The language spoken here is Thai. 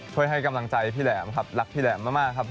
ช่วงให้กำลังใจรักพี่แหลมมาก